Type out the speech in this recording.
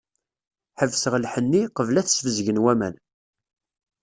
Ḥebseɣ lḥenni, qbel ad t-sbezgen waman.